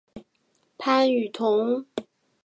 潘雨桐。